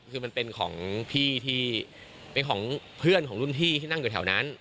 คือมันเป็นของพี่ที่เป็นของเพื่อนของรุ่นพี่ที่นั่งอยู่แถวนั้น